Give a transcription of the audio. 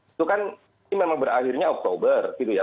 itu kan ini memang berakhirnya oktober gitu ya